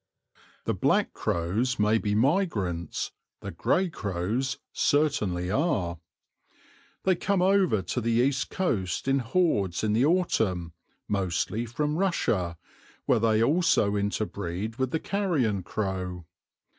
The black crows may be migrants; the grey crows certainly are. They come over to the East Coast in hordes in the autumn, mostly from Russia, where they also interbreed with the carrion crow.